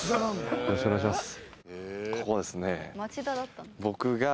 よろしくお願いします。